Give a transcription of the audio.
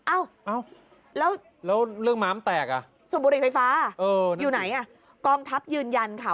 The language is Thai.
อ้าวแล้วส่วนบุริษฐ์ไฟฟ้าอยู่ไหนกองทัพยืนยันค่ะ